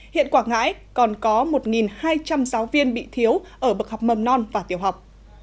hiện quảng ngãi còn có một hai trăm linh giáo viên bị thiếu ở bậc học mầm non và tiểu học